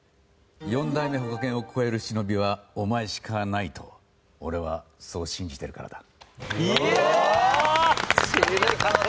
４代目火影を超える忍びはお前しかないと俺はそう信じてるからだ！